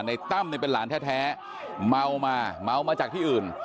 ในตั้มเป็นหลานแท้เมามามาจากที่อื่น